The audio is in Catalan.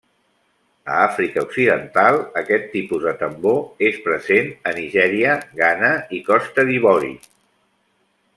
A Àfrica Occidental aquest tipus de tambor és present a Nigèria, Ghana i Costa d'Ivori.